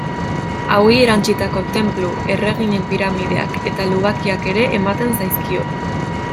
Hauei erantsitako tenplu, erreginen piramideak eta lubakiak ere ematen zaizkio.